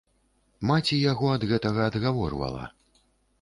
Маці яго ад гэтага адгаворвала.